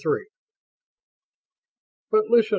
III "But listen!"